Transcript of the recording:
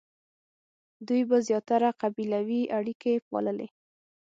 دوی به زیاتره قبیلوي اړیکې پاللې.